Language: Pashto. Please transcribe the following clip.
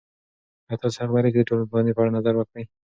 ایا تاسې حق لرئ چې د ټولنپوهنې په اړه نظر ورکړئ؟